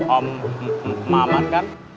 om maman kan